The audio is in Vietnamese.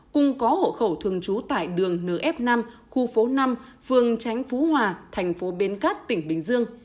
cùng có hộ khẩu thường trú tại đường nf năm khu phố năm phường tránh phú hòa thành phố bến cát tỉnh bình dương